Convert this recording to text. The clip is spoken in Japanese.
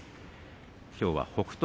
きょうは北勝